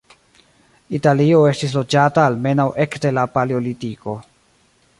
Italio estis loĝata almenaŭ ekde la Paleolitiko.